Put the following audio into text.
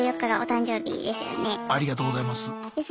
ありがとうございます。